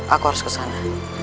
aku harus kesana